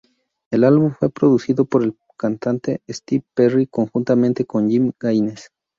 El álbum fue producido por el cantante Steve Perry conjuntamente con Jim Gaines.